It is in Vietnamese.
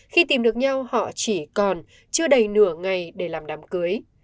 khi tìm được nhau họ chỉ còn chưa đầy nửa ngày để làm đám cưới